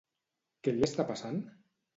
Què li està passant?